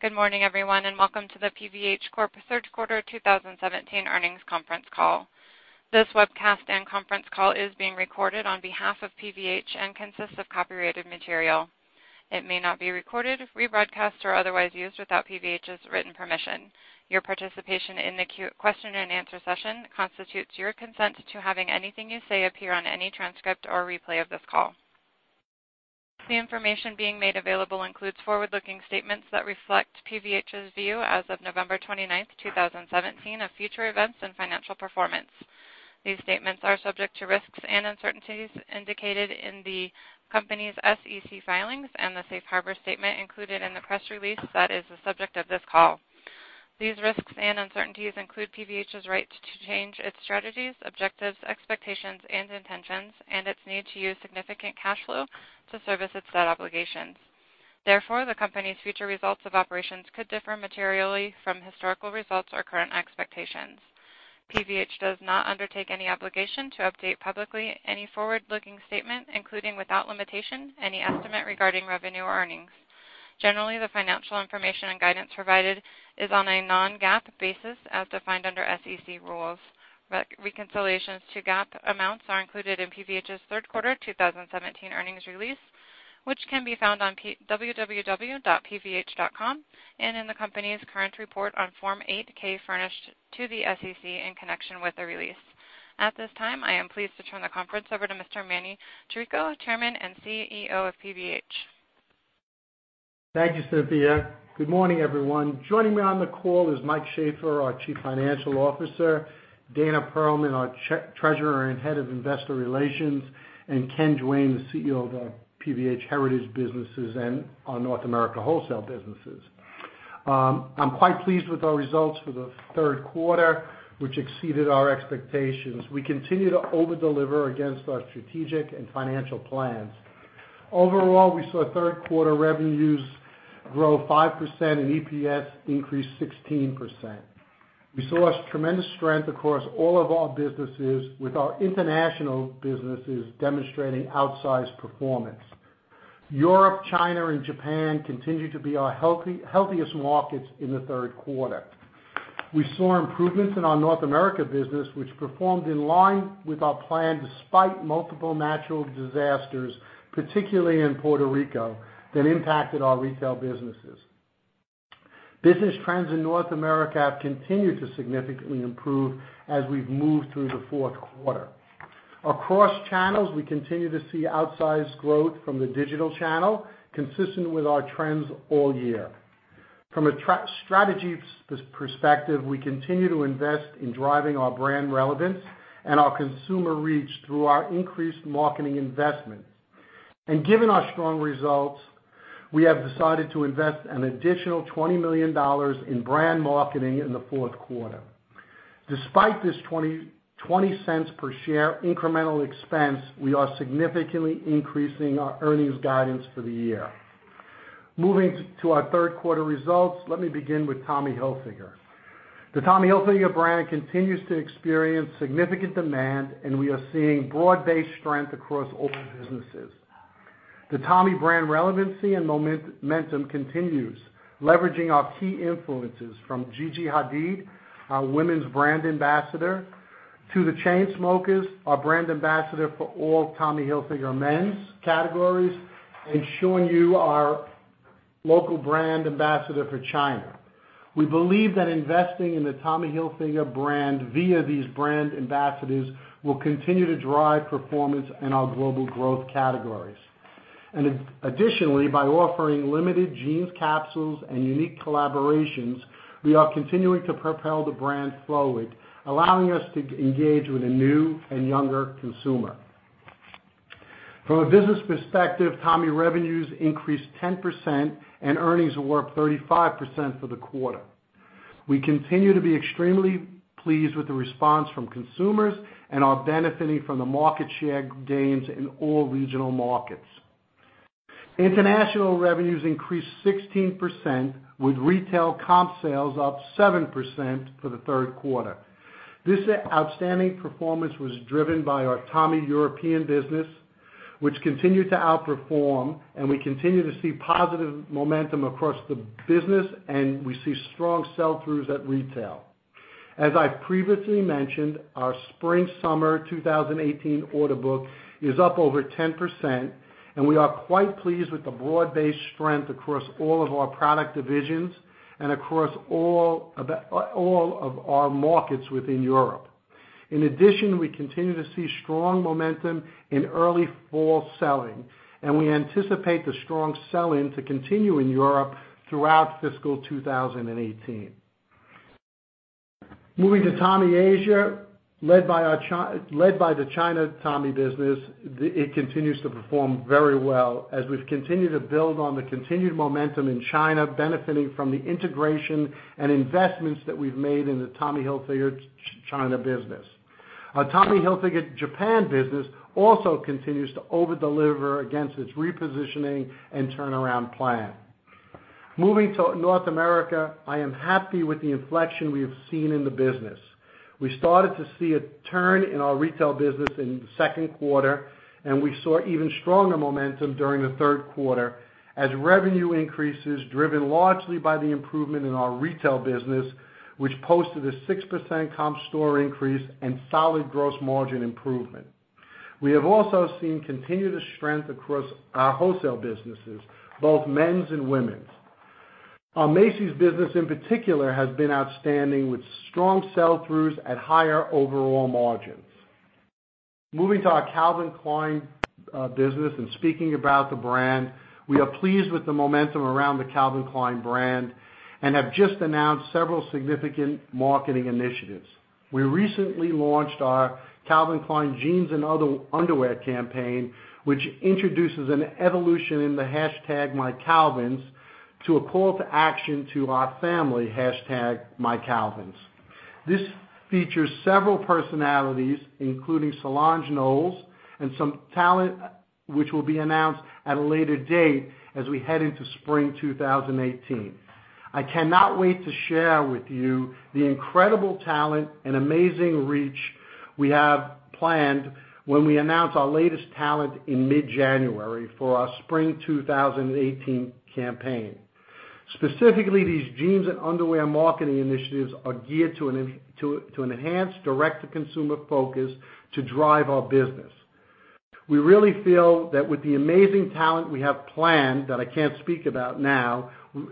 Good morning, everyone, and welcome to the PVH Corp Third Quarter 2017 Earnings Conference Call. This webcast and conference call is being recorded on behalf of PVH and consists of copyrighted material. It may not be recorded, rebroadcast, or otherwise used without PVH's written permission. Your participation in the Q&A session constitutes your consent to having anything you say appear on any transcript or replay of this call. The information being made available includes forward-looking statements that reflect PVH's view as of November 29th, 2017, of future events and financial performance. These statements are subject to risks and uncertainties indicated in the company's SEC filings and the safe harbor statement included in the press release that is the subject of this call. These risks and uncertainties include PVH's right to change its strategies, objectives, expectations, and intentions, and its need to use significant cash flow to service its debt obligations. Therefore, the company's future results of operations could differ materially from historical results or current expectations. PVH does not undertake any obligation to update publicly any forward-looking statement, including, without limitation, any estimate regarding revenue or earnings. Generally, the financial information and guidance provided is on a non-GAAP basis as defined under SEC rules. Reconciliations to GAAP amounts are included in PVH's third quarter 2017 earnings release, which can be found on www.pvh.com and in the company's current report on Form 8-K furnished to the SEC in connection with the release. At this time, I am pleased to turn the conference over to Mr. Manny Chirico, Chairman and CEO of PVH. Thank you, Sophia. Good morning, everyone. Joining me on the call is Mike Shaffer, our Chief Financial Officer, Dana Perlman, our Treasurer and Head of Investor Relations, and Ken Duane, the CEO of our PVH Heritage businesses and our North America wholesale businesses. I'm quite pleased with our results for the third quarter, which exceeded our expectations. We continue to over-deliver against our strategic and financial plans. Overall, we saw third quarter revenues grow 5% and EPS increase 16%. We saw tremendous strength across all of our businesses, with our international businesses demonstrating outsized performance. Europe, China, and Japan continue to be our healthiest markets in the third quarter. We saw improvements in our North America business, which performed in line with our plan despite multiple natural disasters, particularly in Puerto Rico, that impacted our retail businesses. Business trends in North America have continued to significantly improve as we've moved through the fourth quarter. Across channels, we continue to see outsized growth from the digital channel, consistent with our trends all year. From a strategy perspective, we continue to invest in driving our brand relevance and our consumer reach through our increased marketing investments. Given our strong results, we have decided to invest an additional $20 million in brand marketing in the fourth quarter. Despite this $0.20 per share incremental expense, we are significantly increasing our earnings guidance for the year. Moving to our third quarter results, let me begin with Tommy Hilfiger. The Tommy Hilfiger brand continues to experience significant demand, and we are seeing broad-based strength across all businesses. The Tommy brand relevancy and momentum continues, leveraging our key influences from Gigi Hadid, our women's brand ambassador, to The Chainsmokers, our brand ambassador for all Tommy Hilfiger men's categories, and Xun Yu, our local brand ambassador for China. We believe that investing in the Tommy Hilfiger brand via these brand ambassadors will continue to drive performance in our global growth categories. Additionally, by offering limited jeans capsules and unique collaborations, we are continuing to propel the brand forward, allowing us to engage with a new and younger consumer. From a business perspective, Tommy revenues increased 10%, and earnings were up 35% for the quarter. We continue to be extremely pleased with the response from consumers and are benefiting from the market share gains in all regional markets. International revenues increased 16%, with retail comp sales up 7% for the third quarter. This outstanding performance was driven by our Tommy European business, which continued to outperform, and we continue to see positive momentum across the business, and we see strong sell-throughs at retail. As I previously mentioned, our spring-summer 2018 order book is up over 10%, and we are quite pleased with the broad-based strength across all of our product divisions and across all of our markets within Europe. In addition, we continue to see strong momentum in early fall selling, and we anticipate the strong sell-in to continue in Europe throughout fiscal 2018. Moving to Tommy Asia, led by the China Tommy business, it continues to perform very well as we've continued to build on the continued momentum in China, benefiting from the integration and investments that we've made in the Tommy Hilfiger China business. Our Tommy Hilfiger Japan business also continues to over-deliver against its repositioning and turnaround plan. Moving to North America, I am happy with the inflection we have seen in the business. We started to see a turn in our retail business in the second quarter, and we saw even stronger momentum during the third quarter as revenue increases, driven largely by the improvement in our retail business, which posted a 6% comp store increase and solid gross margin improvement. We have also seen continued strength across our wholesale businesses, both men's and women's. Our Macy's business, in particular, has been outstanding with strong sell-throughs at higher overall margins. Moving to our Calvin Klein business and speaking about the brand, we are pleased with the momentum around the Calvin Klein brand and have just announced several significant marketing initiatives. We recently launched our Calvin Klein Jeans and Calvin Klein Underwear campaign, which introduces an evolution in the #mycalvins to a call to action to our family, #mycalvins. This features several personalities, including Solange Knowles, and some talent which will be announced at a later date as we head into spring 2018. I cannot wait to share with you the incredible talent and amazing reach we have planned when we announce our latest talent in mid-January for our spring 2018 campaign. Specifically, these jeans and underwear marketing initiatives are geared to an enhanced direct-to-consumer focus to drive our business. We really feel that with the amazing talent we have planned, that I can't speak about now,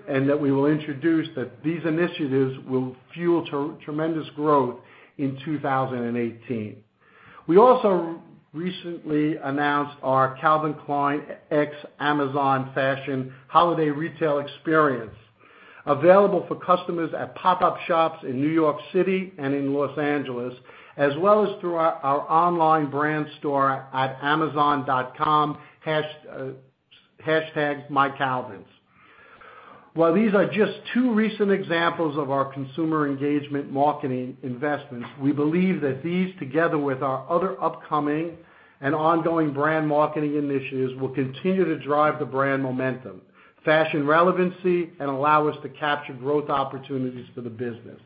and that we will introduce, that these initiatives will fuel tremendous growth in 2018. We also recently announced our Calvin Klein x Amazon Fashion holiday retail experience, available for customers at pop-up shops in New York City and in Los Angeles, as well as through our online brand store at amazon.com, #mycalvins. While these are just two recent examples of our consumer engagement marketing investments, we believe that these, together with our other upcoming and ongoing brand marketing initiatives, will continue to drive the brand momentum, fashion relevancy, and allow us to capture growth opportunities for the business.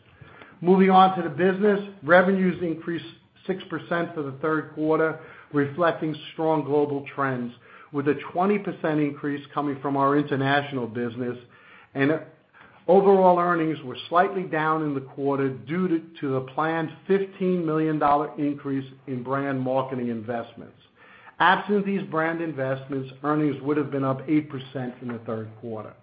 Moving on to the business, revenues increased 6% for the third quarter, reflecting strong global trends, with a 20% increase coming from our international business. Overall earnings were slightly down in the quarter due to the planned $15 million increase in brand marketing investments. Absent these brand investments, earnings would have been up 8% in the third quarter.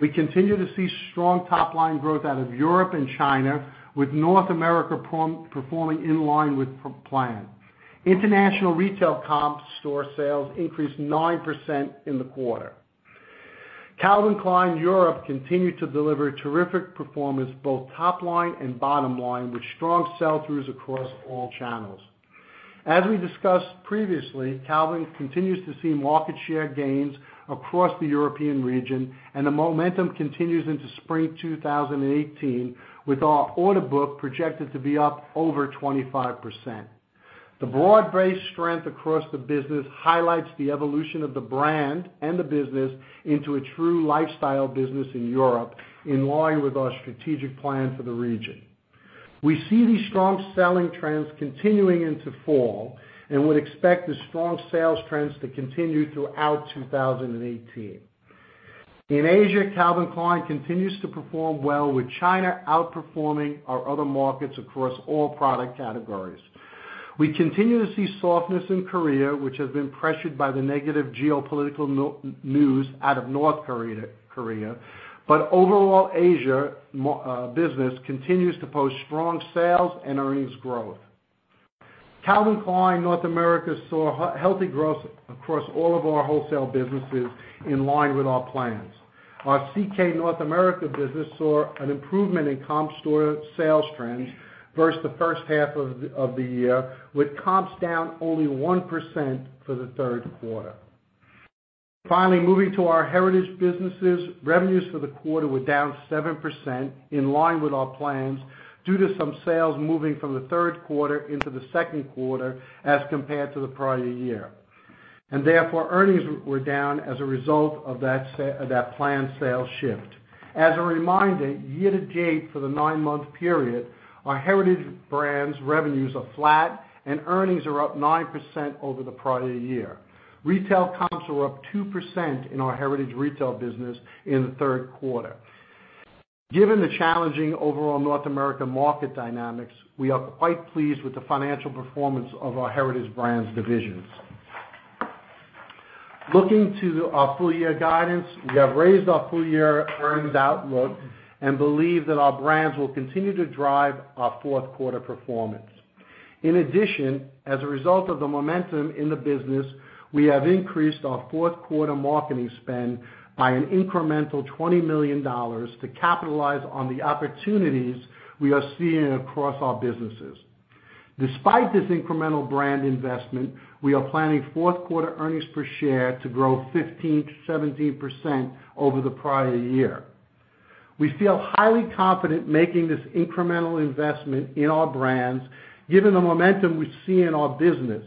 We continue to see strong top-line growth out of Europe and China, with North America performing in line with plan. International retail comp store sales increased 9% in the quarter. Calvin Klein Europe continued to deliver terrific performance, both top line and bottom line, with strong sell-throughs across all channels. As we discussed previously, Calvin continues to see market share gains across the European region, the momentum continues into spring 2018, with our order book projected to be up over 25%. The broad-based strength across the business highlights the evolution of the brand and the business into a true lifestyle business in Europe, in line with our strategic plan for the region. We see these strong selling trends continuing into fall and would expect the strong sales trends to continue throughout 2018. In Asia, Calvin Klein continues to perform well, with China outperforming our other markets across all product categories. We continue to see softness in Korea, which has been pressured by the negative geopolitical news out of North Korea. Overall Asia business continues to post strong sales and earnings growth. Calvin Klein North America saw healthy growth across all of our wholesale businesses in line with our plans. Our CK North America business saw an improvement in comp store sales trends versus the first half of the year, with comps down only 1% for the third quarter. Finally, moving to our heritage businesses, revenues for the quarter were down 7%, in line with our plans, due to some sales moving from the third quarter into the second quarter as compared to the prior year. Therefore, earnings were down as a result of that planned sales shift. As a reminder, year-to-date for the nine-month period, our Heritage Brands revenues are flat and earnings are up 9% over the prior year. Retail comps were up 2% in our heritage retail business in the third quarter. Given the challenging overall North American market dynamics, we are quite pleased with the financial performance of our Heritage Brands divisions. Looking to our full-year guidance, we have raised our full-year earnings outlook and believe that our brands will continue to drive our fourth quarter performance. In addition, as a result of the momentum in the business, we have increased our fourth quarter marketing spend by an incremental $20 million to capitalize on the opportunities we are seeing across our businesses. Despite this incremental brand investment, we are planning fourth quarter earnings per share to grow 15% to 17% over the prior year. We feel highly confident making this incremental investment in our brands, given the momentum we see in our business.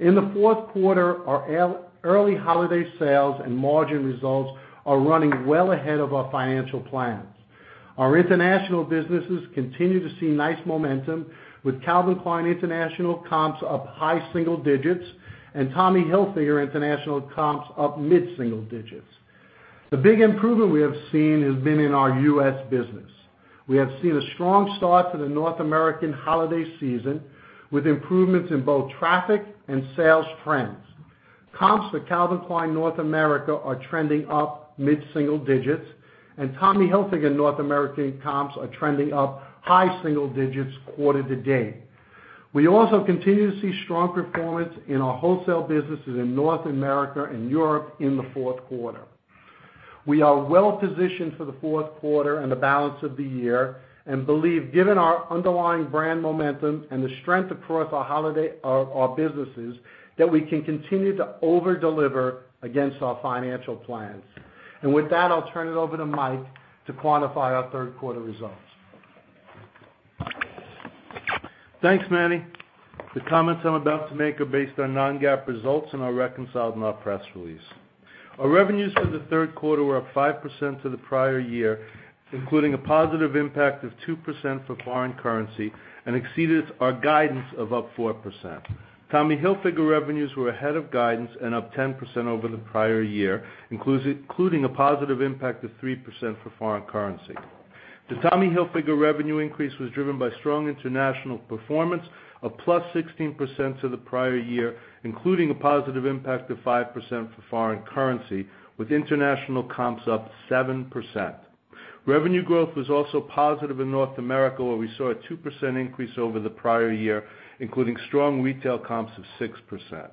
In the fourth quarter, our early holiday sales and margin results are running well ahead of our financial plans. Our international businesses continue to see nice momentum with Calvin Klein International comps up high single digits and Tommy Hilfiger international comps up mid-single digits. The big improvement we have seen has been in our U.S. business. We have seen a strong start to the North American holiday season with improvements in both traffic and sales trends. Comps for Calvin Klein North America are trending up mid-single digits, and Tommy Hilfiger North America comps are trending up high single digits quarter to date. We also continue to see strong performance in our wholesale businesses in North America and Europe in the fourth quarter. We are well-positioned for the fourth quarter and the balance of the year and believe, given our underlying brand momentum and the strength across our businesses, that we can continue to over-deliver against our financial plans. With that, I'll turn it over to Mike to quantify our third quarter results. Thanks, Manny. The comments I'm about to make are based on non-GAAP results and are reconciled in our press release. Our revenues for the third quarter were up 5% to the prior year, including a positive impact of 2% for foreign currency and exceeded our guidance of up 4%. Tommy Hilfiger revenues were ahead of guidance and up 10% over the prior year, including a positive impact of 3% for foreign currency. The Tommy Hilfiger revenue increase was driven by strong international performance of +16% to the prior year, including a positive impact of 5% for foreign currency. With international comps up 7%. Revenue growth was also positive in North America, where we saw a 2% increase over the prior year, including strong retail comps of 6%.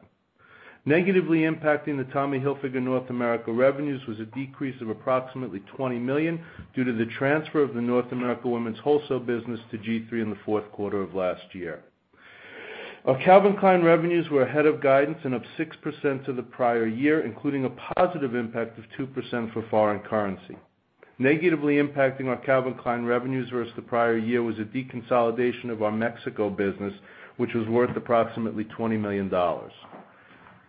Negatively impacting the Tommy Hilfiger North America revenues was a decrease of approximately $20 million due to the transfer of the North America women's wholesale business to G3 in the fourth quarter of last year. Our Calvin Klein revenues were ahead of guidance and up 6% to the prior year, including a positive impact of 2% for foreign currency. Negatively impacting our Calvin Klein revenues versus the prior year was a deconsolidation of our Mexico business, which was worth approximately $20 million.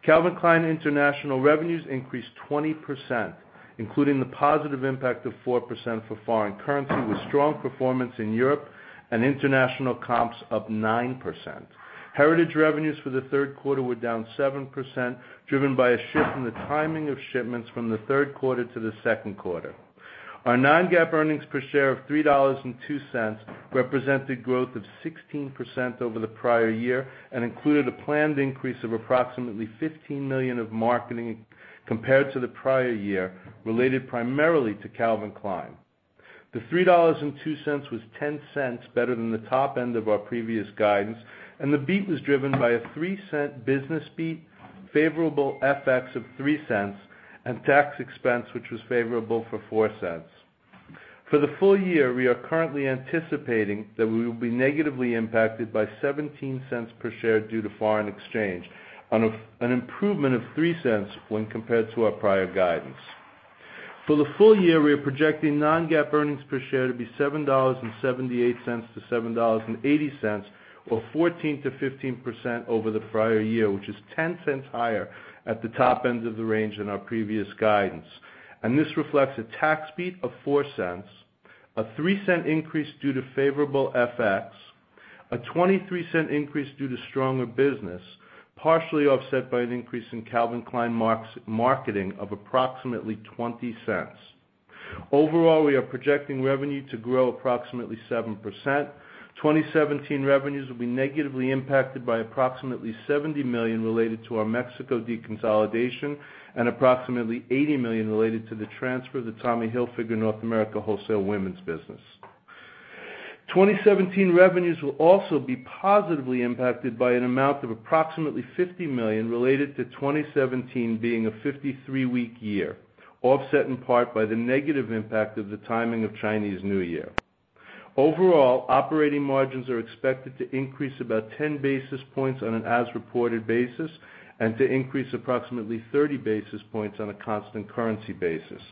Calvin Klein International revenues increased 20%, including the positive impact of 4% for foreign currency, with strong performance in Europe and international comps up 9%. Heritage revenues for the third quarter were down 7%, driven by a shift in the timing of shipments from the third quarter to the second quarter. Our non-GAAP earnings per share of $3.02 represent a growth of 16% over the prior year and included a planned increase of approximately $15 million of marketing compared to the prior year, related primarily to Calvin Klein. The $3.02 was $0.10 better than the top end of our previous guidance, and the beat was driven by a $0.03 business beat, favorable FX of $0.03 and tax expense, which was favorable for $0.04. For the full year, we are currently anticipating that we will be negatively impacted by $0.17 per share due to foreign exchange, on an improvement of $0.03 when compared to our prior guidance. For the full year, we are projecting non-GAAP earnings per share to be $7.78 to $7.80, or 14%-15% over the prior year, which is $0.10 higher at the top end of the range in our previous guidance. This reflects a tax beat of $0.04, a $0.03 increase due to favorable FX, a $0.23 increase due to stronger business, partially offset by an increase in Calvin Klein marketing of approximately $0.20. Overall, we are projecting revenue to grow approximately 7%. 2017 revenues will be negatively impacted by approximately $70 million related to our Mexico deconsolidation and approximately $80 million related to the transfer of the Tommy Hilfiger North America wholesale women's business. 2017 revenues will also be positively impacted by an amount of approximately $50 million related to 2017 being a 53-week year, offset in part by the negative impact of the timing of Chinese New Year. Overall, operating margins are expected to increase about 10 basis points on an as-reported basis and to increase approximately 30 basis points on a constant currency basis.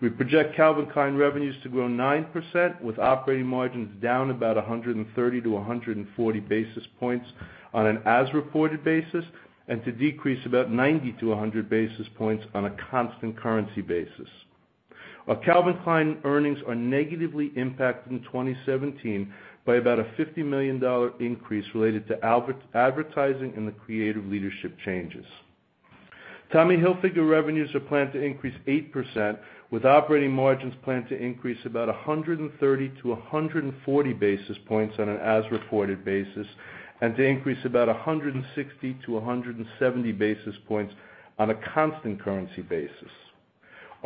We project Calvin Klein revenues to grow 9%, with operating margins down about 130-140 basis points on an as-reported basis, and to decrease about 90-100 basis points on a constant currency basis. Our Calvin Klein earnings are negatively impacted in 2017 by about a $50 million increase related to advertising and the creative leadership changes. Tommy Hilfiger revenues are planned to increase 8%, with operating margins planned to increase about 130-140 basis points on an as-reported basis, and to increase about 160-170 basis points on a constant currency basis.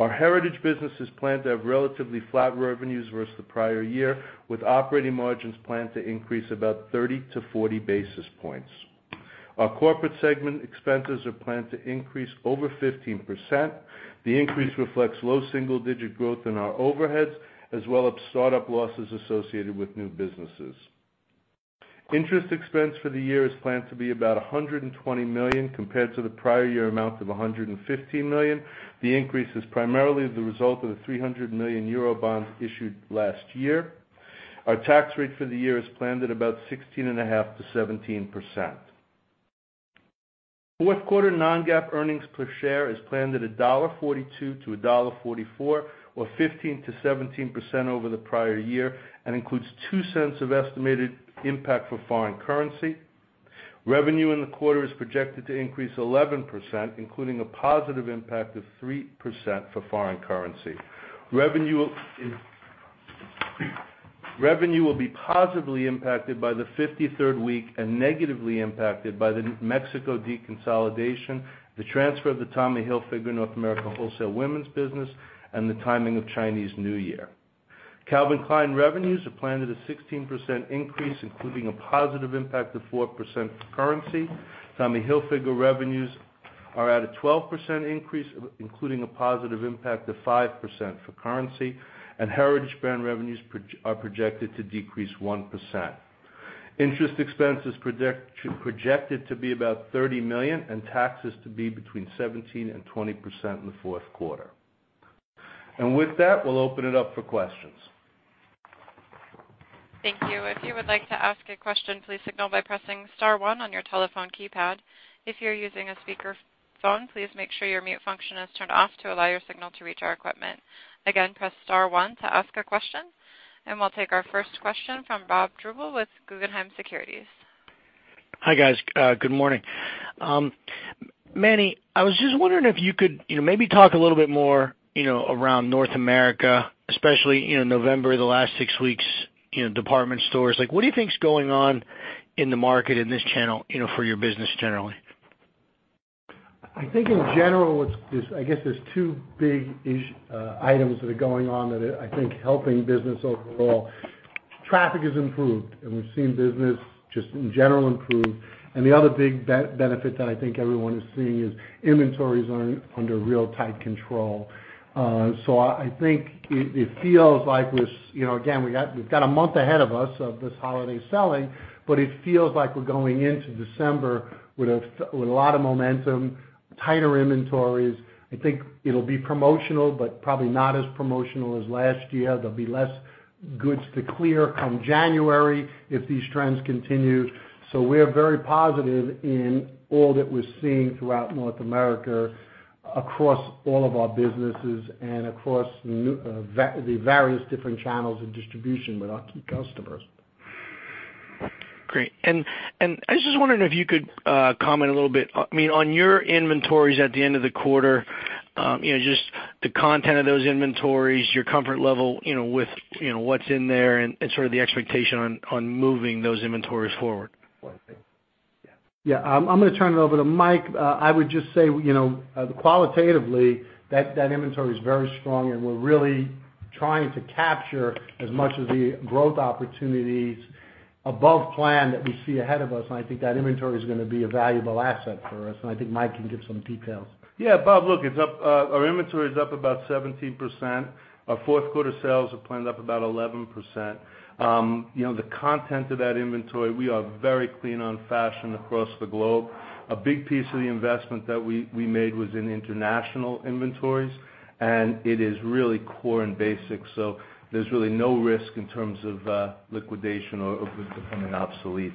Our heritage business is planned to have relatively flat revenues versus the prior year, with operating margins planned to increase about 30-40 basis points. Our corporate segment expenses are planned to increase over 15%. The increase reflects low double-digit growth in our overheads, as well as start-up losses associated with new businesses. Interest expense for the year is planned to be about $120 million, compared to the prior year amount of $115 million. The increase is primarily the result of the 300 million euro bonds issued last year. Our tax rate for the year is planned at about 16.5%-17%. Fourth quarter non-GAAP earnings per share is planned at a $1.42 to a $1.44, or 15%-17% over the prior year, and includes $0.02 of estimated impact for foreign currency. Revenue in the quarter is projected to increase 11%, including a positive impact of 3% for foreign currency. Revenue will be positively impacted by the 53rd week and negatively impacted by the Mexico deconsolidation, the transfer of the Tommy Hilfiger North America wholesale women's business, and the timing of Chinese New Year. Calvin Klein revenues are planned at a 16% increase, including a positive impact of 4% for currency. Tommy Hilfiger revenues are at a 12% increase, including a positive impact of 5% for currency, Heritage Brands revenues are projected to decrease 1%. Interest expense is projected to be about $30 million, and taxes to be between 17% and 20% in the fourth quarter. With that, we'll open it up for questions. Thank you. If you would like to ask a question, please signal by pressing star one on your telephone keypad. If you're using a speakerphone, please make sure your mute function is turned off to allow your signal to reach our equipment. Again, press star one to ask a question, we'll take our first question from Bob Drbul with Guggenheim Securities. Hi, guys. Good morning. Manny, I was just wondering if you could maybe talk a little bit more around North America, especially November, the last six weeks, department stores. What do you think is going on in the market in this channel for your business generally? I think in general, I guess there's two big items that are going on that I think helping business overall. Traffic has improved, we've seen business just in general improve. The other big benefit that I think everyone is seeing is inventories are under real tight control. I think it feels like we've got a month ahead of us of this holiday selling, but it feels like we're going into December with a lot of momentum, tighter inventories. I think it'll be promotional, but probably not as promotional as last year. There'll be less goods to clear come January if these trends continue. We're very positive in all that we're seeing throughout North America, across all of our businesses, and across the various different channels of distribution with our key customers. Great. I was just wondering if you could comment a little bit on your inventories at the end of the quarter, just the content of those inventories, your comfort level with what's in there, and sort of the expectation on moving those inventories forward. Yeah. I'm gonna turn it over to Mike. I would just say, qualitatively, that inventory is very strong. We're really trying to capture as much of the growth opportunities above plan that we see ahead of us. I think that inventory is gonna be a valuable asset for us. I think Mike can give some details. Yeah, Bob, look, our inventory is up about 17%. Our fourth quarter sales are planned up about 11%. The content of that inventory, we are very clean on fashion across the globe. A big piece of the investment that we made was in international inventories. It is really core and basic, there's really no risk in terms of liquidation or of it becoming obsolete.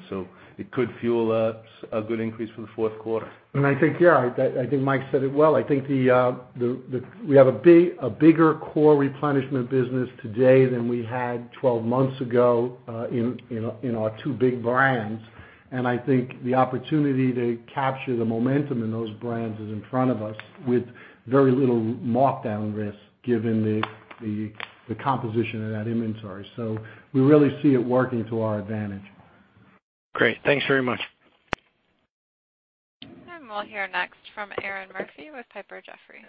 It could fuel a good increase for the fourth quarter. I think, yeah, I think Mike said it well. I think we have a bigger core replenishment business today than we had 12 months ago in our two big brands. I think the opportunity to capture the momentum in those brands is in front of us with very little markdown risk given the composition of that inventory. We really see it working to our advantage. Great. Thanks very much. We'll hear next from Erinn Murphy with Piper Jaffray.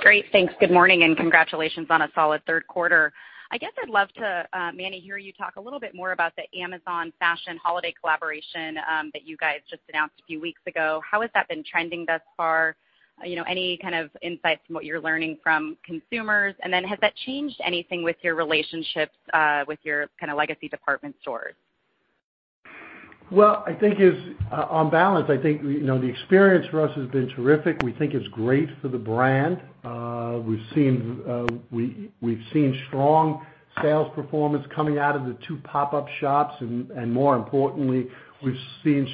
Great. Thanks. Good morning, congratulations on a solid third quarter. I guess I'd love to, Manny, hear you talk a little bit more about the Amazon Fashion holiday collaboration that you guys just announced a few weeks ago. How has that been trending thus far? Any kind of insights from what you're learning from consumers? Then has that changed anything with your relationships with your legacy department stores? On balance, I think the experience for us has been terrific. We think it's great for the brand. We've seen strong sales performance coming out of the two pop-up shops, and more importantly, we've seen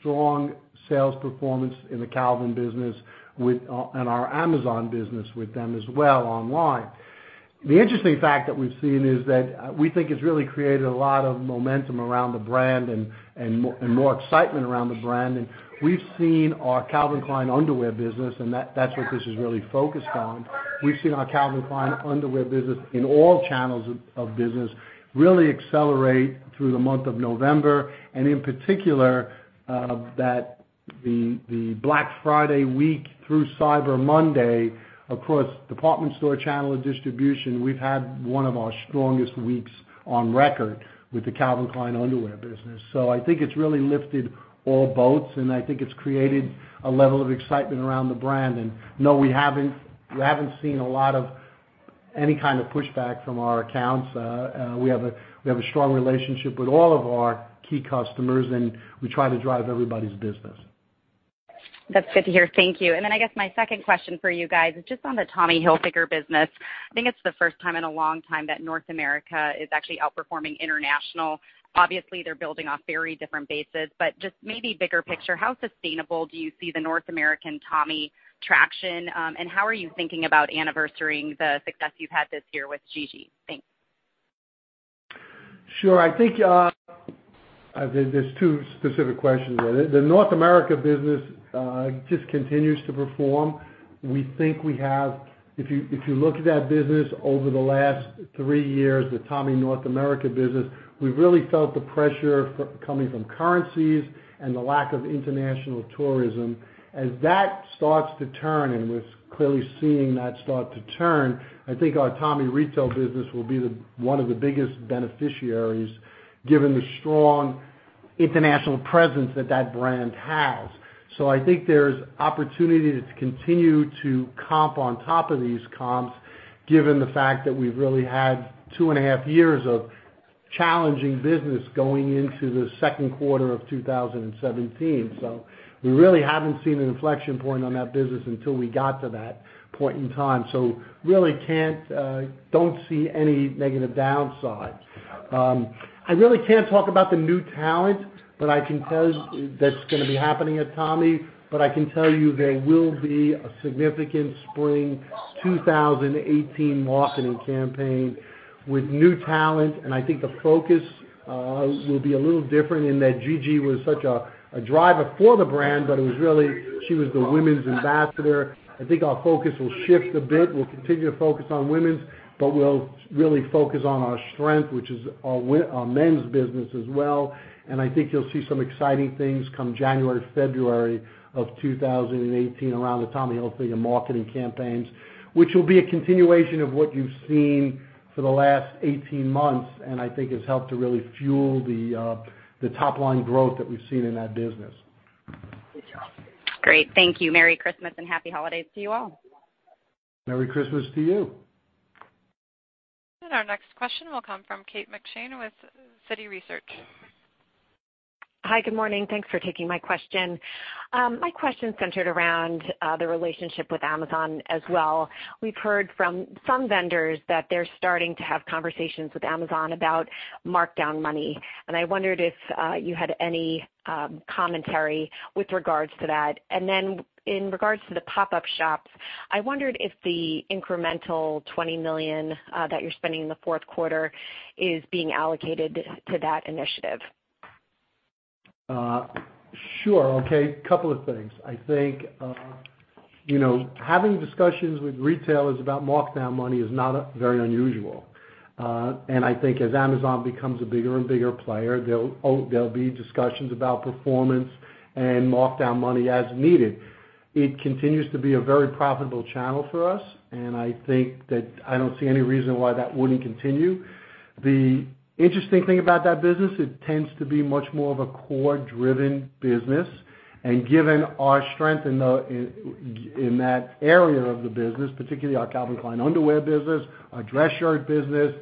strong sales performance in the Calvin business and our Amazon business with them as well online. The interesting fact that we've seen is that we think it's really created a lot of momentum around the brand and more excitement around the brand. We've seen our Calvin Klein underwear business, and that's what this is really focused on, we've seen our Calvin Klein underwear business in all channels of business really accelerate through the month of November. In particular, the Black Friday week through Cyber Monday, across department store channel of distribution, we've had one of our strongest weeks on record with the Calvin Klein underwear business. I think it's really lifted all boats, and I think it's created a level of excitement around the brand. No, we haven't seen a lot of any kind of pushback from our accounts. We have a strong relationship with all of our key customers. We try to drive everybody's business. That's good to hear. Thank you. I guess my second question for you guys is just on the Tommy Hilfiger business. I think it's the first time in a long time that North America is actually outperforming international. Obviously, they're building off very different bases, but just maybe bigger picture, how sustainable do you see the North American Tommy traction? How are you thinking about anniversarying the success you've had this year with Gigi? Thanks. Sure. I think there's two specific questions there. The North America business just continues to perform. If you look at that business over the last three years, the Tommy North America business, we've really felt the pressure coming from currencies and the lack of international tourism. As that starts to turn, and we're clearly seeing that start to turn, I think our Tommy retail business will be the one of the biggest beneficiaries, given the strong international presence that that brand has. I think there's opportunity to continue to comp on top of these comps, given the fact that we've really had two and a half years of challenging business going into the second quarter of 2017. We really haven't seen an inflection point on that business until we got to that point in time. Really don't see any negative downside. I really can't talk about the new talent that's gonna be happening at Tommy, but I can tell you there will be a significant spring 2018 marketing campaign with new talent. I think the focus will be a little different in that Gigi was such a driver for the brand, but she was the women's ambassador. I think our focus will shift a bit. We'll continue to focus on women's, but we'll really focus on our strength, which is our men's business as well. I think you'll see some exciting things come January, February of 2018 around the Tommy Hilfiger marketing campaigns, which will be a continuation of what you've seen for the last 18 months, and I think has helped to really fuel the top line growth that we've seen in that business. Great. Thank you. Merry Christmas and happy holidays to you all. Merry Christmas to you. Our next question will come from Kate McShane with Citi Research. Hi. Good morning. Thanks for taking my question. My question is centered around the relationship with Amazon as well. We've heard from some vendors that they're starting to have conversations with Amazon about markdown money. I wondered if you had any commentary with regards to that. Then in regards to the pop-up shops, I wondered if the incremental $20 million that you're spending in the fourth quarter is being allocated to that initiative. Sure. Okay, couple of things. I think, having discussions with retailers about markdown money is not very unusual. I think as Amazon becomes a bigger and bigger player, there will be discussions about performance and markdown money as needed. It continues to be a very profitable channel for us. I think that I don't see any reason why that wouldn't continue. The interesting thing about that business, it tends to be much more of a core-driven business. Given our strength in that area of the business, particularly our Calvin Klein Underwear business, our dress shirt business,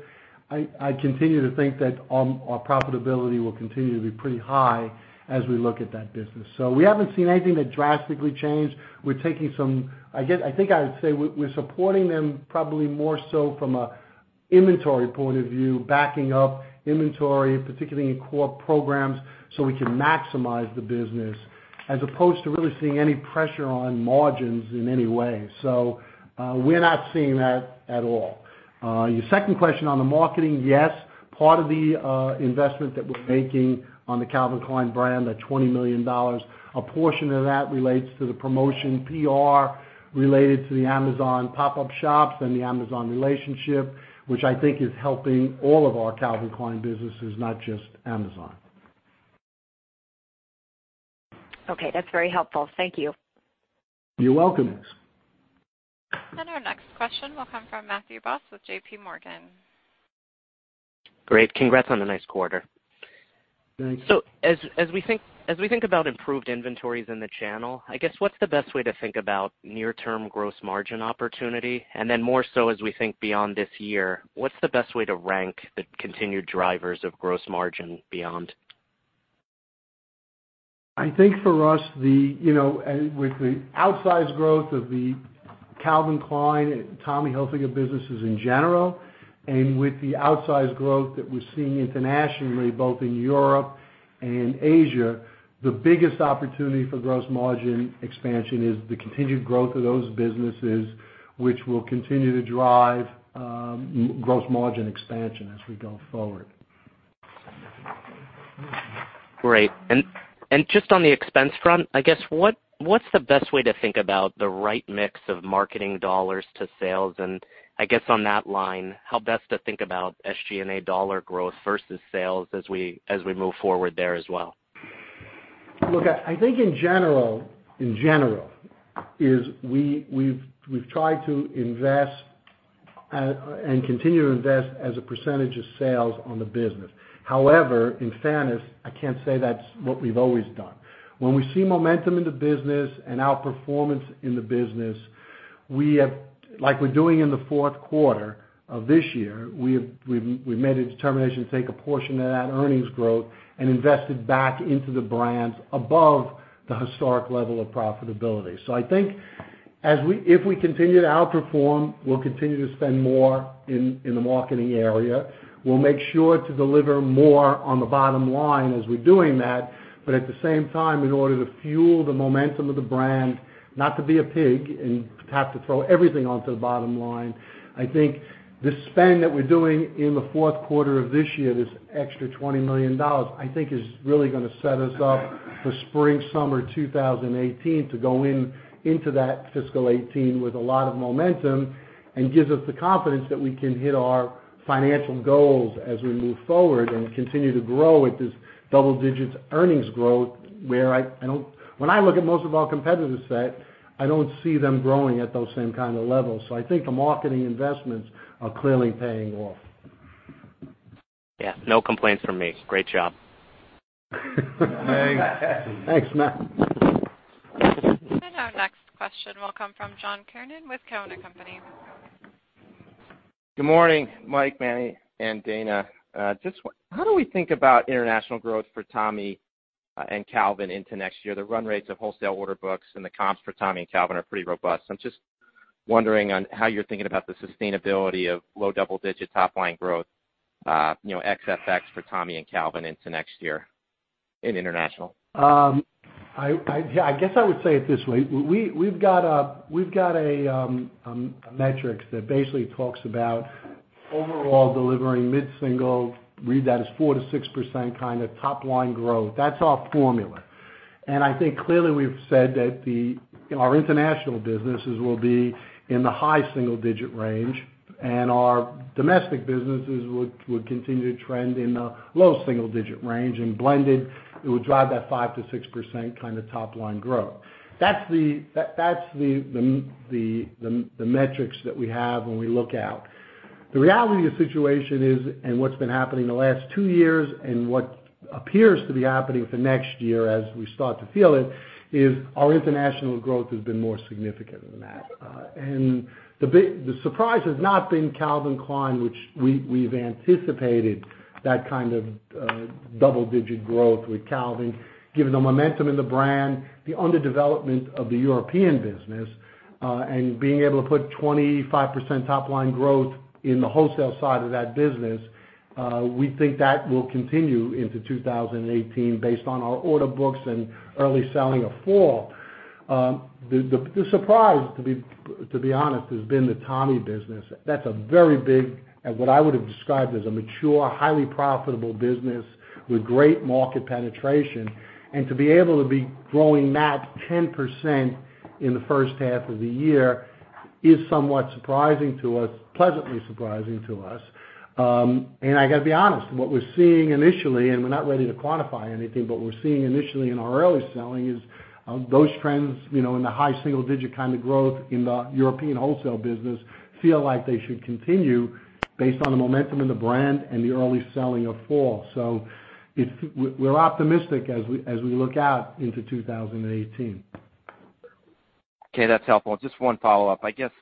I continue to think that our profitability will continue to be pretty high as we look at that business. We haven't seen anything that drastically changed. I think I would say we're supporting them probably more so from an inventory point of view, backing up inventory, particularly in core programs, so we can maximize the business as opposed to really seeing any pressure on margins in any way. We're not seeing that at all. Your second question on the marketing, yes, part of the investment that we're making on the Calvin Klein brand, that $20 million, a portion of that relates to the promotion, PR related to the Amazon pop-up shops and the Amazon relationship, which I think is helping all of our Calvin Klein businesses, not just Amazon. Okay. That's very helpful. Thank you. You're welcome. Our next question will come from Matthew Boss with J.P. Morgan. Great. Congrats on the nice quarter. Thanks. As we think about improved inventories in the channel, I guess, what's the best way to think about near-term gross margin opportunity? More so as we think beyond this year, what's the best way to rank the continued drivers of gross margin beyond? I think for us, with the outsized growth of the Calvin Klein and Tommy Hilfiger businesses in general, with the outsized growth that we're seeing internationally both in Europe and Asia, the biggest opportunity for gross margin expansion is the continued growth of those businesses, which will continue to drive gross margin expansion as we go forward. Great. Just on the expense front, I guess, what's the best way to think about the right mix of marketing dollars to sales? I guess on that line, how best to think about SG&A dollar growth versus sales as we move forward there as well? Look, I think in general, we've tried to invest and continue to invest as a percentage of sales on the business. However, in fairness, I can't say that's what we've always done. When we see momentum in the business and outperformance in the business, we have, like we're doing in the fourth quarter of this year, we've made a determination to take a portion of that earnings growth and invest it back into the brands above the historic level of profitability. I think if we continue to outperform, we'll continue to spend more in the marketing area. We'll make sure to deliver more on the bottom line as we're doing that. At the same time, in order to fuel the momentum of the brand, not to be a pig and have to throw everything onto the bottom line. I think the spend that we're doing in the fourth quarter of this year, this extra $20 million, I think, is really going to set us up for spring, summer 2018, to go into that fiscal 2018 with a lot of momentum, and gives us the confidence that we can hit our financial goals as we move forward and continue to grow at this double-digit earnings growth. When I look at most of our competitor set, I don't see them growing at those same kind of levels. I think the marketing investments are clearly paying off. Yeah. No complaints from me. Great job. Thanks, Matt. Our next question will come from John Kernan with Cowen and Company. Good morning, Mike, Manny, and Dana. How do we think about international growth for Tommy and Calvin into next year? The run rates of wholesale order books and the comps for Tommy and Calvin are pretty robust. I'm just wondering on how you're thinking about the sustainability of low double-digit top-line growth, ex FX for Tommy and Calvin into next year in international. I guess I would say it this way. We've got a metrics that basically talks about overall delivering mid-single, read that as 4%-6% kind of top-line growth. That's our formula. I think clearly we've said that our international businesses will be in the high single-digit range, and our domestic businesses would continue to trend in the low single-digit range. Blended, it would drive that 5%-6% kind of top-line growth. That's the metrics that we have when we look out. The reality of the situation is, what's been happening the last two years and what appears to be happening for next year as we start to feel it, is our international growth has been more significant than that. The surprise has not been Calvin Klein, which we've anticipated that kind of double-digit growth with Calvin. Given the momentum in the brand, the under-development of the European business, and being able to put 25% top-line growth in the wholesale side of that business, we think that will continue into 2018 based on our order books and early selling of fall. The surprise, to be honest, has been the Tommy business. That's a very big, and what I would've described as a mature, highly profitable business with great market penetration. To be able to be growing that 10% in the first half of the year is somewhat surprising to us, pleasantly surprising to us. I got to be honest, from what we're seeing initially, and we're not ready to quantify anything, but we're seeing initially in our early selling is those trends in the high-single-digit kind of growth in the European wholesale business feel like they should continue based on the momentum in the brand and the early selling of fall. We're optimistic as we look out into 2018. Okay, that's helpful. Just one follow-up. I guess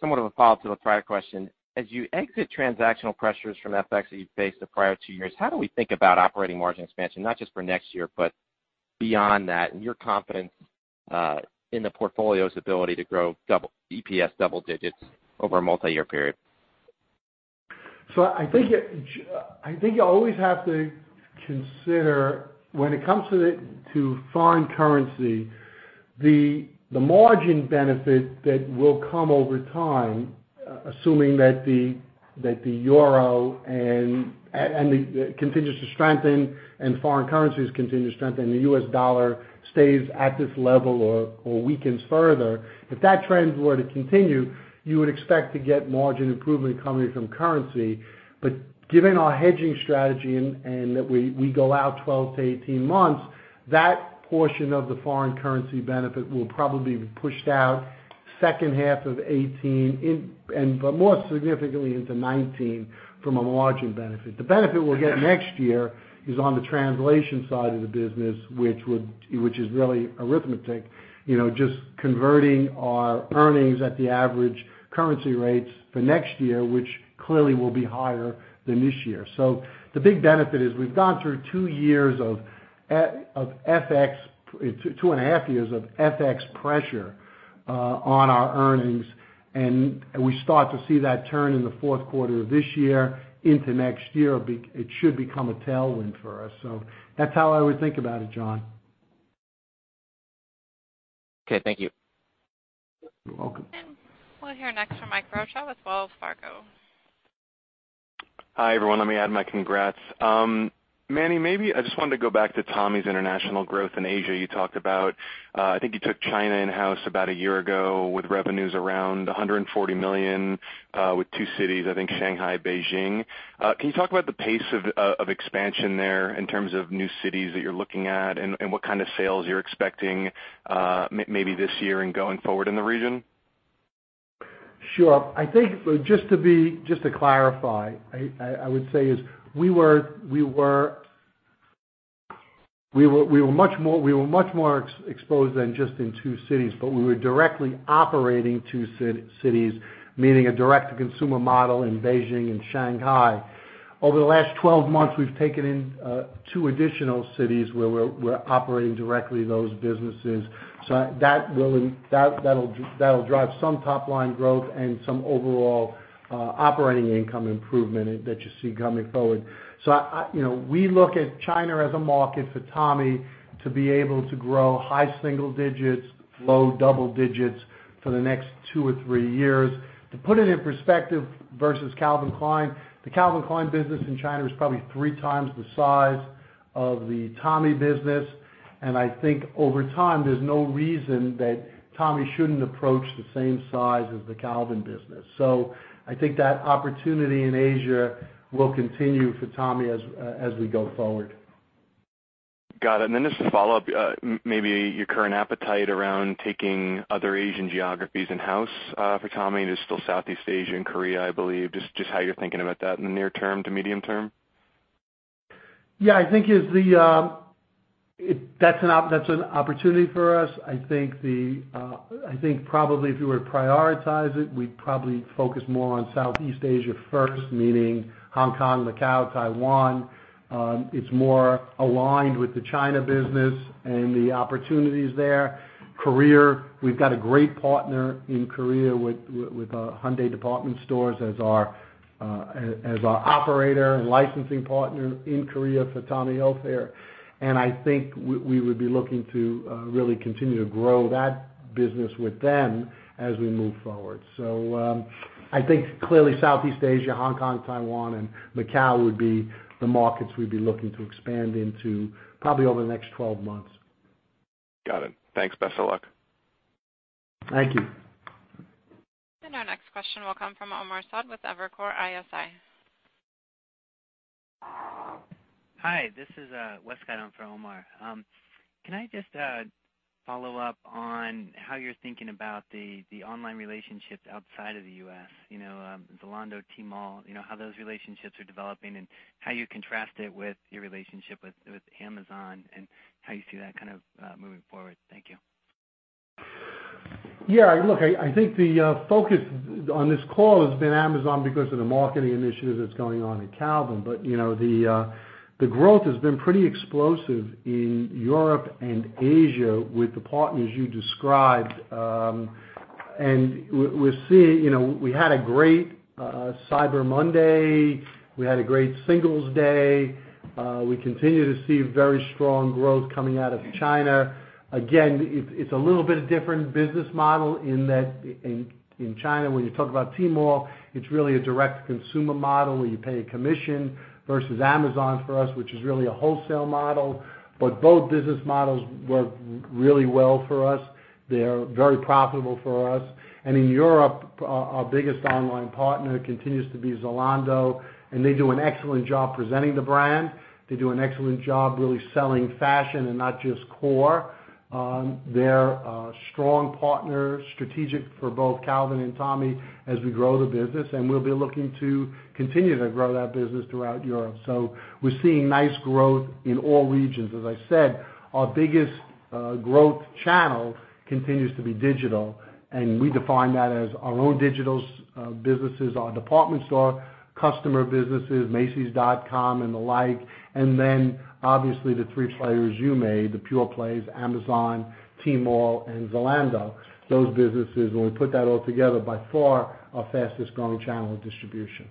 somewhat of a follow-up to the prior question. As you exit transactional pressures from FX that you've faced the prior two years, how do we think about operating margin expansion, not just for next year but beyond that, and your confidence in the portfolio's ability to grow EPS double-digits over a multi-year period? I think you always have to consider when it comes to foreign currency, the margin benefit that will come over time, assuming that the Euro continues to strengthen and foreign currencies continue to strengthen, the US dollar stays at this level or weakens further. If that trend were to continue, you would expect to get margin improvement coming from currency. Given our hedging strategy and that we go out 12 to 18 months, that portion of the foreign currency benefit will probably be pushed out second half of 2018, but more significantly into 2019 from a margin benefit. The benefit we'll get next year is on the translation side of the business, which is really arithmetic. Just converting our earnings at the average currency rates for next year, which clearly will be higher than this year. The big benefit is we've gone through two and a half years of FX pressure on our earnings, we start to see that turn in the fourth quarter of this year into next year. It should become a tailwind for us. That's how I would think about it, John. Okay. Thank you. You're welcome. We'll hear next from Ike Boruchow with Wells Fargo. Hi, everyone. Let me add my congrats. Manny, maybe I just wanted to go back to Tommy's international growth in Asia. You talked about, I think you took China in-house about a year ago with revenues around $140 million, with two cities, I think Shanghai, Beijing. Can you talk about the pace of expansion there in terms of new cities that you're looking at and what kind of sales you're expecting maybe this year and going forward in the region? Sure. I think just to clarify, I would say is We were much more exposed than just in two cities, but we were directly operating two cities, meaning a direct-to-consumer model in Beijing and Shanghai. Over the last 12 months, we've taken in two additional cities where we're operating directly those businesses. That'll drive some top-line growth and some overall operating income improvement that you see coming forward. We look at China as a market for Tommy to be able to grow high single digits, low double digits for the next two or three years. To put it in perspective versus Calvin Klein, the Calvin Klein business in China is probably three times the size of the Tommy business, and I think over time, there's no reason that Tommy shouldn't approach the same size as the Calvin business. I think that opportunity in Asia will continue for Tommy as we go forward. Got it. Just to follow up, maybe your current appetite around taking other Asian geographies in-house for Tommy. There's still Southeast Asia and Korea, I believe. Just how you're thinking about that in the near term to medium term. I think that's an opportunity for us. I think probably if we were to prioritize it, we'd probably focus more on Southeast Asia first, meaning Hong Kong, Macau, Taiwan. It's more aligned with the China business and the opportunities there. Korea, we've got a great partner in Korea with Hyundai Department Store as our operator and licensing partner in Korea for Tommy Hilfiger. I think we would be looking to really continue to grow that business with them as we move forward. I think clearly Southeast Asia, Hong Kong, Taiwan, and Macau would be the markets we'd be looking to expand into probably over the next 12 months. Got it. Thanks. Best of luck. Thank you. Our next question will come from Omar Saad with Evercore ISI. Hi, this is Wes Skyton for Omar. Can I just follow up on how you're thinking about the online relationships outside of the U.S.? Zalando, Tmall, how those relationships are developing and how you contrast it with your relationship with Amazon, how you see that kind of moving forward. Thank you. Yeah, look, I think the focus on this call has been Amazon because of the marketing initiatives that's going on in Calvin. The growth has been pretty explosive in Europe and Asia with the partners you described. We had a great Cyber Monday. We had a great Singles' Day. We continue to see very strong growth coming out of China. Again, it's a little bit different business model in that in China, when you talk about Tmall, it's really a direct-to-consumer model where you pay a commission versus Amazon for us, which is really a wholesale model. Both business models work really well for us. They're very profitable for us. In Europe, our biggest online partner continues to be Zalando, they do an excellent job presenting the brand. They do an excellent job really selling fashion and not just core. They're a strong partner, strategic for both Calvin and Tommy as we grow the business, we'll be looking to continue to grow that business throughout Europe. We're seeing nice growth in all regions. As I said, our biggest growth channel continues to be digital, we define that as our own digital businesses, our department store customer businesses, macys.com and the like. Then obviously the three players you made, the pure plays, Amazon, Tmall, and Zalando. Those businesses, when we put that all together, by far our fastest growing channel of distribution.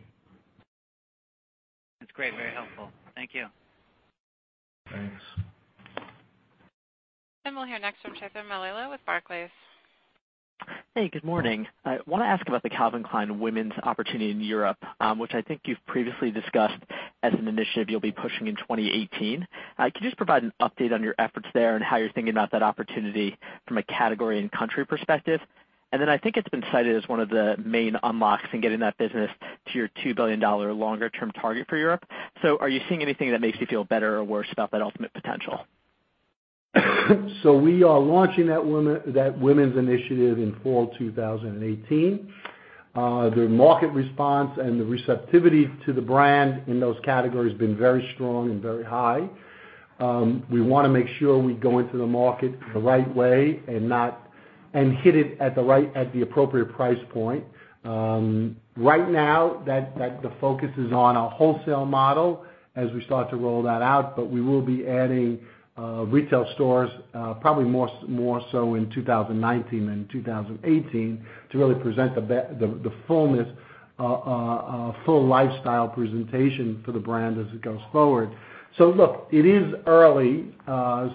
That's great. Very helpful. Thank you. Thanks. We'll hear next from Trevor Melillo with Barclays. Hey, good morning. I want to ask about the Calvin Klein women's opportunity in Europe, which I think you've previously discussed as an initiative you'll be pushing in 2018. Could you just provide an update on your efforts there and how you're thinking about that opportunity from a category and country perspective? I think it's been cited as one of the main unlocks in getting that business to your $2 billion longer-term target for Europe. Are you seeing anything that makes you feel better or worse about that ultimate potential? We are launching that women's initiative in fall 2018. The market response and the receptivity to the brand in those categories has been very strong and very high. We want to make sure we go into the market the right way and hit it at the appropriate price point. Right now, the focus is on our wholesale model as we start to roll that out, but we will be adding retail stores, probably more so in 2019 than 2018, to really present the full lifestyle presentation for the brand as it goes forward. Look, it is early. I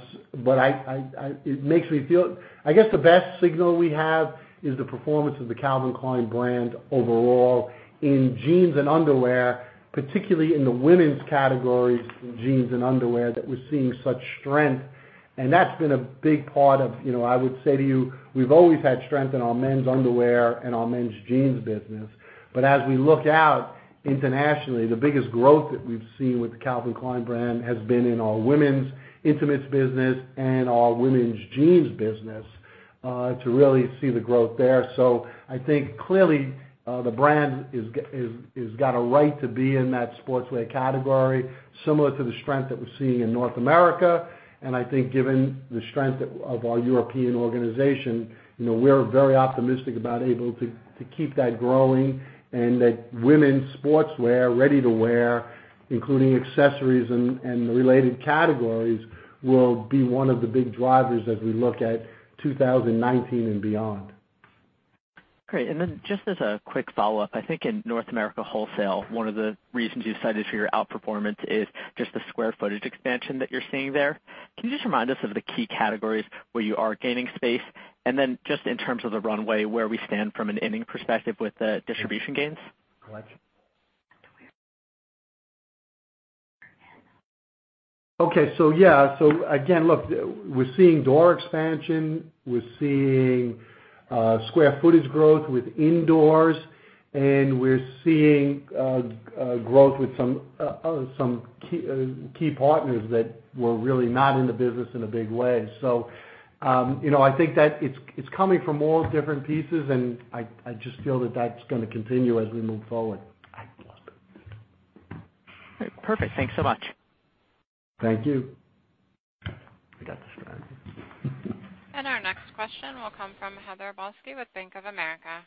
guess the best signal we have is the performance of the Calvin Klein brand overall in jeans and underwear, particularly in the women's categories, jeans and underwear, that we're seeing such strength. I would say to you, we've always had strength in our men's underwear and our men's jeans business. As we look out internationally, the biggest growth that we've seen with the Calvin Klein brand has been in our women's intimates business and our women's jeans business. To really see the growth there. I think clearly, the brand has got a right to be in that sportswear category, similar to the strength that we're seeing in North America. I think given the strength of our European organization, we're very optimistic about able to keep that growing and that women's sportswear ready-to-wear, including accessories and the related categories, will be one of the big drivers as we look at 2019 and beyond. Great. Just as a quick follow-up, I think in North America wholesale, one of the reasons you cited for your outperformance is just the square footage expansion that you're seeing there. Can you just remind us of the key categories where you are gaining space? Then just in terms of the runway, where we stand from an innings perspective with the distribution gains? Again, look, we're seeing door expansion, we're seeing square footage growth with in stores, and we're seeing growth with some key partners that were really not in the business in a big way. I think that it's coming from all different pieces and I just feel that that's going to continue as we move forward. Perfect. Thanks so much. Thank you. We got this right. Our next question will come from Heather Balsky with Bank of America.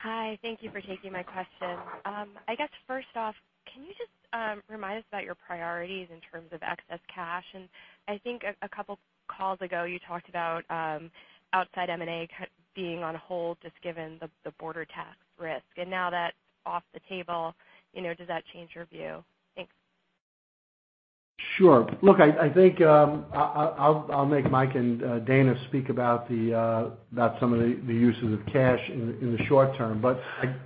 Hi. Thank you for taking my question. I guess first off, can you just remind us about your priorities in terms of excess cash? I think a couple calls ago you talked about outside M&A being on hold just given the border tax risk. Now that's off the table, does that change your view? Thanks. Sure. Look, I think I'll make Mike and Dana speak about some of the uses of cash in the short term.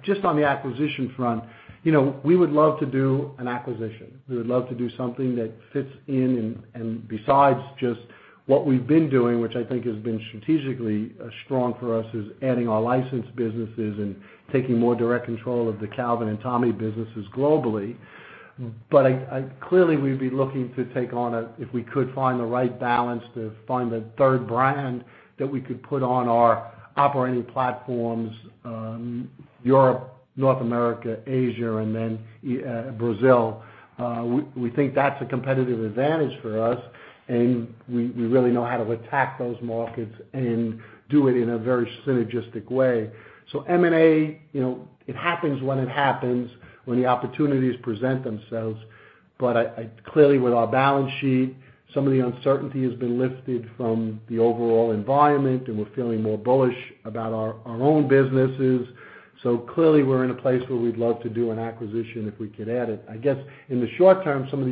Just on the acquisition front, we would love to do an acquisition. We would love to do something that fits in and besides just what we've been doing, which I think has been strategically strong for us, is adding our licensed businesses and taking more direct control of the Calvin and Tommy businesses globally. Clearly, we'd be looking to take on a If we could find the right balance to find a third brand that we could put on our operating platforms, Europe, North America, Asia, and then Brazil. We think that's a competitive advantage for us, and we really know how to attack those markets and do it in a very synergistic way. M&A, it happens when it happens, when the opportunities present themselves. Clearly with our balance sheet, some of the uncertainty has been lifted from the overall environment, and we're feeling more bullish about our own businesses. Clearly we're in a place where we'd love to do an acquisition if we could add it. I guess in the short term, some of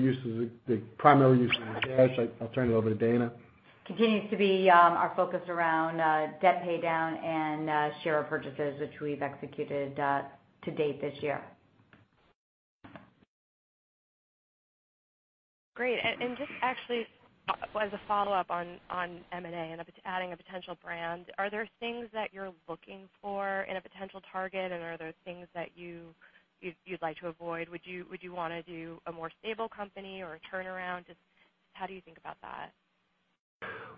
the primary uses of cash, I'll turn it over to Dana. Continues to be our focus around debt paydown and share purchases, which we've executed to date this year. Great. Just actually, as a follow-up on M&A and adding a potential brand, are there things that you're looking for in a potential target, and are there things that you'd like to avoid? Would you want to do a more stable company or a turnaround? Just how do you think about that?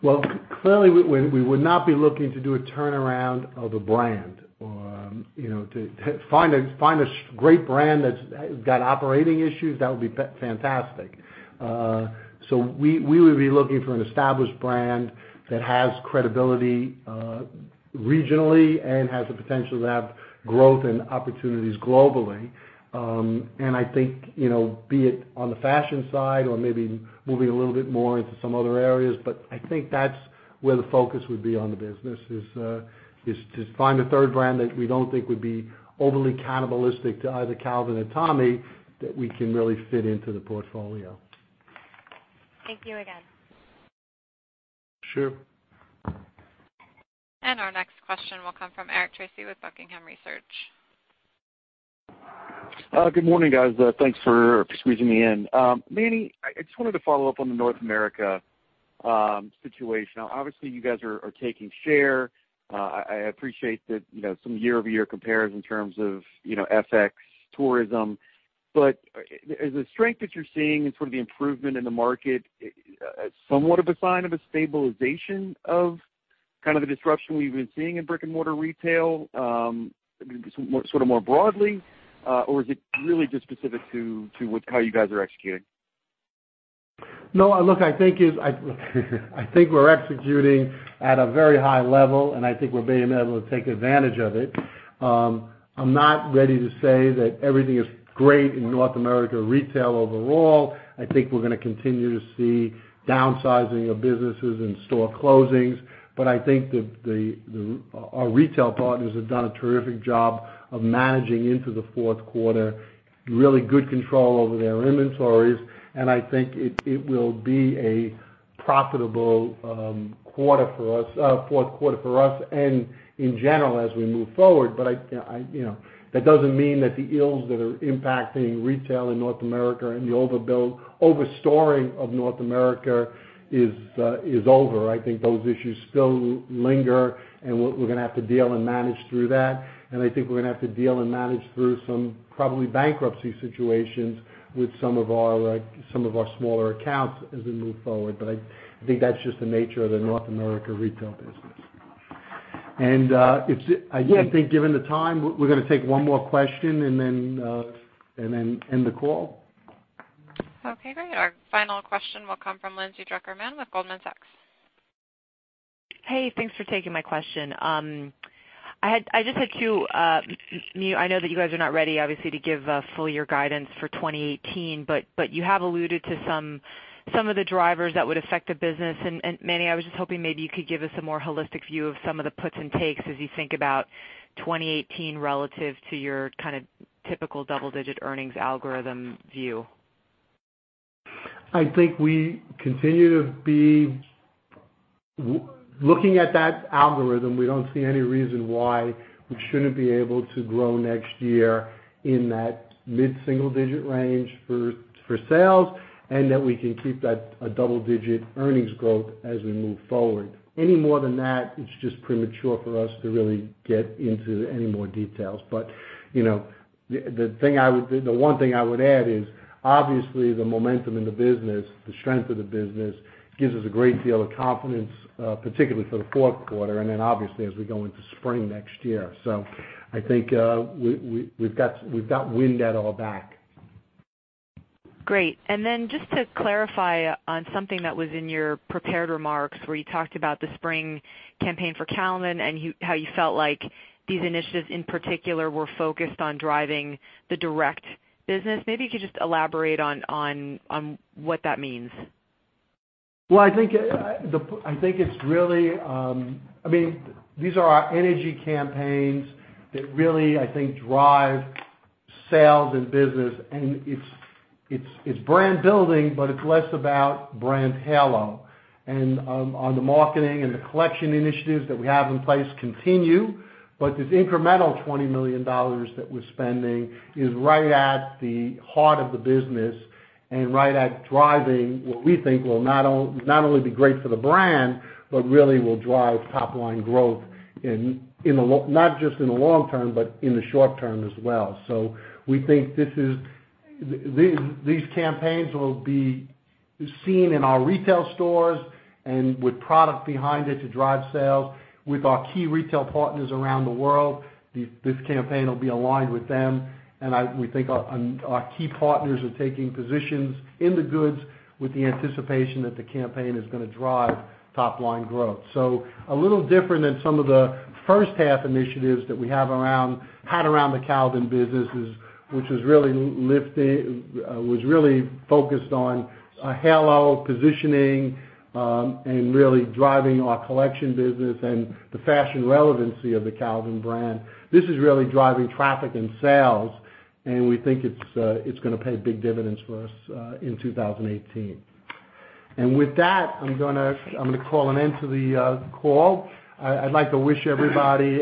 Well, clearly, we would not be looking to do a turnaround of a brand. To find a great brand that's got operating issues, that would be fantastic. We would be looking for an established brand that has credibility regionally and has the potential to have growth and opportunities globally. I think, be it on the fashion side or maybe moving a little bit more into some other areas, but I think that's where the focus would be on the business, is to find a third brand that we don't think would be overly cannibalistic to either Calvin or Tommy, that we can really fit into the portfolio. Thank you again. Sure. Our next question will come from Eric Tracy with Buckingham Research. Good morning, guys. Thanks for squeezing me in. Manny, I just wanted to follow up on the North America situation. Obviously, you guys are taking share. I appreciate some year-over-year compares in terms of FX tourism. Is the strength that you're seeing and sort of the improvement in the market somewhat of a sign of a stabilization of the disruption we've been seeing in brick-and-mortar retail sort of more broadly? Or is it really just specific to how you guys are executing? No. Look, I think we're executing at a very high level, and I think we're being able to take advantage of it. I'm not ready to say that everything is great in North America retail overall. I think we're going to continue to see downsizing of businesses and store closings. I think that our retail partners have done a terrific job of managing into the fourth quarter, really good control over their inventories, and I think it will be a profitable fourth quarter for us, and in general as we move forward. That doesn't mean that the ills that are impacting retail in North America and the overbuilding, overstoring of North America is over. I think those issues still linger, and we're going to have to deal and manage through that, and I think we're going to have to deal and manage through some probably bankruptcy situations with some of our smaller accounts as we move forward. I think that's just the nature of the North America retail business. I think given the time, we're going to take one more question and then end the call. Okay, great. Our final question will come from Lindsay Drucker Mann with Goldman Sachs. Hey, thanks for taking my question. I know that you guys are not ready, obviously, to give full year guidance for 2018, but you have alluded to some of the drivers that would affect the business. Manny, I was just hoping maybe you could give us a more holistic view of some of the puts and takes as you think about 2018 relative to your kind of typical double-digit earnings algorithm view. I think we continue to be looking at that algorithm, we don't see any reason why we shouldn't be able to grow next year in that mid-single digit range for sales, and that we can keep that double-digit earnings growth as we move forward. Any more than that, it's just premature for us to really get into any more details. The one thing I would add is, obviously the momentum in the business, the strength of the business, gives us a great deal of confidence, particularly for the fourth quarter and then obviously as we go into spring next year. I think we've got wind at our back. Great. Just to clarify on something that was in your prepared remarks where you talked about the spring campaign for Calvin and how you felt like these initiatives in particular were focused on driving the direct business. Maybe you could just elaborate on what that means. Well, these are our energy campaigns that really, I think, drive sales and business, and it's brand building, but it's less about brand halo. On the marketing and the collection initiatives that we have in place continue, but this incremental $20 million that we're spending is right at the heart of the business and right at driving what we think will not only be great for the brand, but really will drive top-line growth, not just in the long term, but in the short term as well. We think these campaigns will be seen in our retail stores and with product behind it to drive sales with our key retail partners around the world. This campaign will be aligned with them, and we think our key partners are taking positions in the goods with the anticipation that the campaign is going to drive top-line growth. A little different than some of the first-half initiatives that we had around the Calvin businesses, which was really focused on a halo positioning, and really driving our collection business and the fashion relevancy of the Calvin brand. This is really driving traffic and sales, and we think it's going to pay big dividends for us in 2018. With that, I'm going to call an end to the call. I'd like to wish everybody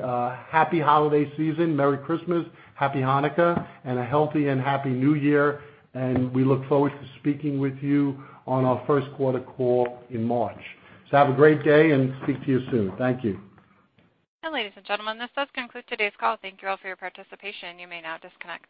a happy holiday season, merry Christmas, happy Hanukkah, and a healthy and happy new year, and we look forward to speaking with you on our first quarter call in March. Have a great day, and speak to you soon. Thank you. Ladies and gentlemen, this does conclude today's call. Thank you all for your participation. You may now disconnect.